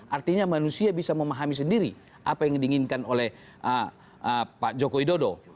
artinya manusia bisa memahami sendiri apa yang diinginkan oleh pak joko widodo